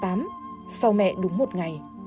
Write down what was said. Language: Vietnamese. tuyển nhận tin mẹ đúng một ngày